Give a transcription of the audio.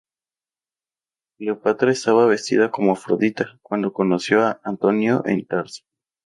Cleopatra estaba vestida como Afrodita cuando conoció a Antonio en Tarso.